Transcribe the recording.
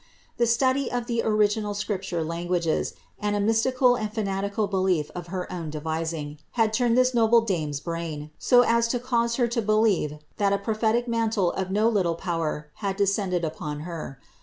The study of the original scripture languages, and a mystical and fanatical belief of her own de VL<injf, had turned this noble dame''s brain, so as to cause her to believe thai a prophetic mantle of no little power had descended upon her.